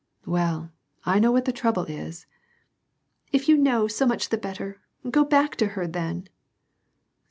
" Well, I know what the trouble is." *•' If you know, so much the better ; go back to her, then."